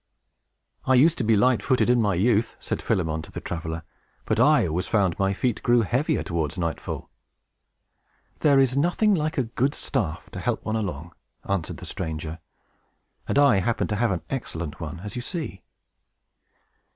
"I used to be light footed, in my youth," said Philemon to the traveler. "But I always found my feet grow heavier towards nightfall." "There is nothing like a good staff to help one along," answered the stranger; "and I happen to have an excellent one, as you see."